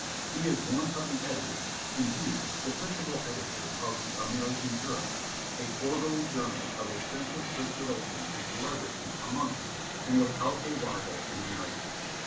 He is one of the editors, indeed, the principal editor, of 'The American Jurist,' a quarterly journal of extensive circulation and celebrity among us, and without a rival in America.